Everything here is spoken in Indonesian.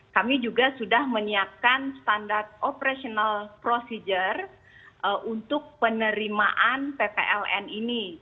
kami juga sudah menyiapkan standar operational procedure untuk penerimaan ppln ini